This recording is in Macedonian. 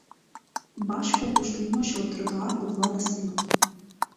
Баш колку што имаше од тротоар до влада синоќа.